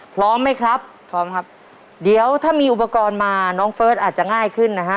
พร้อมไหมครับพร้อมครับเดี๋ยวถ้ามีอุปกรณ์มาน้องเฟิร์สอาจจะง่ายขึ้นนะฮะ